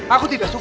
aku tidak suka